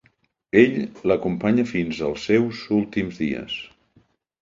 Ell l'acompanya fins als seus últims dies.